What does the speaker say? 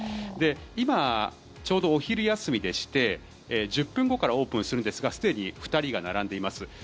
今、ちょうどお昼休みでして１０分後からオープンするんですがすでに２人が並んでいます。